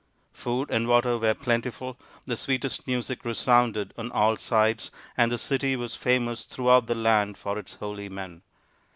Food and water were plentiful, the sweetest music resounded on all sides, and the city was famous throughout the land for its holy men.